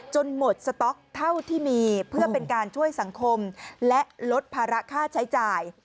หมดสต๊อกเท่าที่มีเพื่อเป็นการช่วยสังคมและลดภาระค่าใช้จ่าย